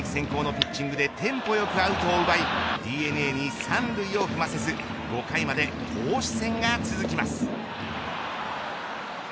ストライク先行のピッチングでテンポよくアウトを奪いＤｅＮＡに三塁を踏ませず５回まで投手戦が続きます。